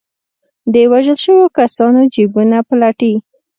د وژل شوو کسانو جېبونه پلټي.